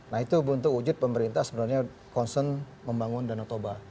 nah itu untuk wujud pemerintah sebenarnya concern membangun danau toba